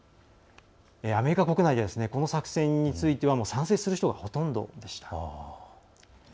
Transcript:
アメリカ国内ではこの作戦については賛成する人がほとんどでした。